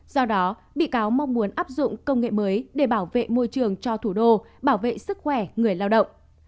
do đó bị cáo mong muốn áp dụng công nghệ mới để bảo vệ môi trường cho thủ đô bảo vệ sức khỏe người lao động